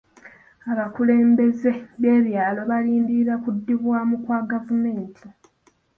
Abakulembeze b'ebyalo balindirira kuddibwamu kwa gavumenti.